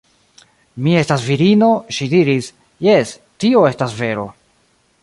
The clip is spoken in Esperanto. Mi estas virino, ŝi diris, jes, tio estas vero.